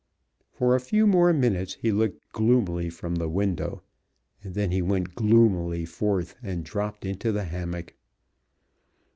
For a few more minutes he looked gloomily from the window, and then he went gloomily forth and dropped into the hammock.